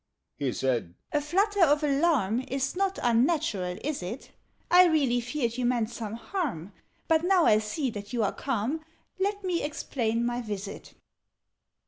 He said "A flutter of alarm Is not unnatural, is it? I really feared you meant some harm: But, now I see that you are calm, Let me explain my visit.